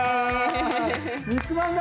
肉まんだ！